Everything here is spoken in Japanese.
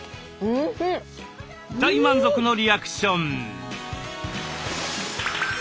大満足のリアクション。